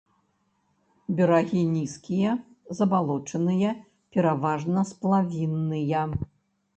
Берагі нізкія, забалочаныя, пераважна сплавінныя.